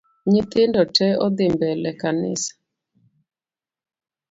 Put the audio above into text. Nyithindo tee odhii mbele kanisa